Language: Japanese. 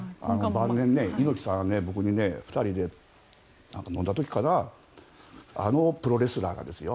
晩年、猪木さんは僕に２人で飲んだ時かなあのプロレスラーがですよ